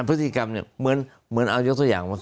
พฤติกรรมเนี่ยเหมือนเอายกตัวอย่างมา